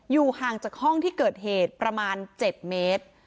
ห่างจากห้องที่เกิดเหตุประมาณ๗เมตร